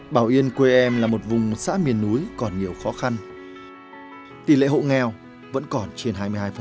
bảo yên quê em là một vùng xã miền núi còn nhiều khó khăn tỷ lệ hộ nghèo vẫn còn trên hai mươi hai